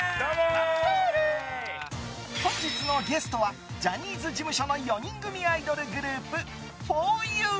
本日のゲストはジャニーズ事務所の４人組アイドルグループふぉゆ。